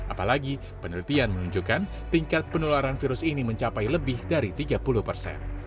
apalagi penelitian menunjukkan tingkat penularan virus ini mencapai lebih dari tiga puluh persen